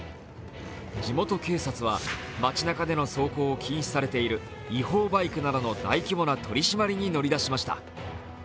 地元警察は街なかでの走行を禁止されている違法バイクなどの大規模な取り締まりに乗り出しました。